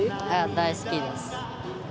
大好きです。